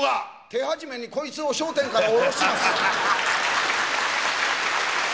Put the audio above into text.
手始めに、こいつを『笑点』から降ろします。